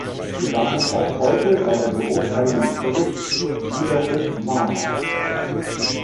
Sie waren auch heute bei der Beurteilung des Berichts wiederum Mahner.